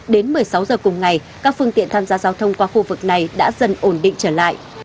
đến một mươi sáu giờ cùng ngày các phương tiện tham gia giao thông qua khu vực này đã dần ổn định trở lại